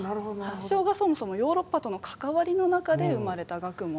発祥がそもそもヨーロッパとの関わりの中で生まれた学問。